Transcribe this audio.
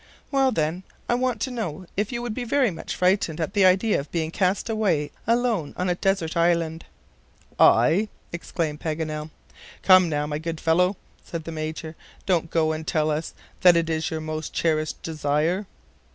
"Well, then, I want to know if you would be very much frightened at the idea of being cast away alone on a desert island." "I?" exclaimed Paganel. "Come now, my good fellow," said the Major, "don't go and tell us that it is your most cherished desire."